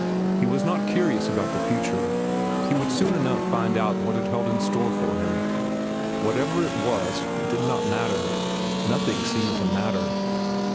He was not curious about the future. He would soon enough find out what it held in store for him. Whatever it was, it did not matter. Nothing seemed to matter.